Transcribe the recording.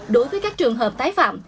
đối với các trường hợp tái phạm